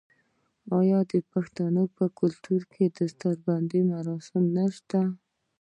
آیا د پښتنو په کلتور کې د دستار بندی مراسم نشته؟